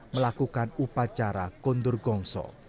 melakukan upacara gundur gongso